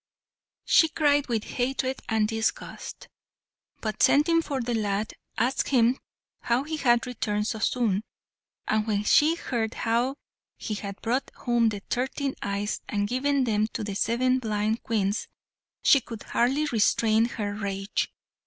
She cried with hatred and disgust, but sending for the lad, asked him how he had returned so soon, and when she heard how he had brought home the thirteen eyes, and given them to the seven blind Queens, she could hardly restrain her rage.